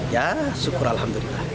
ya syukur alhamdulillah